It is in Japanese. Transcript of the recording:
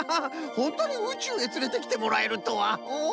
ほんとにうちゅうへつれてきてもらえるとはおお。